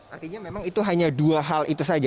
artinya memang itu hanya dua hal itu saja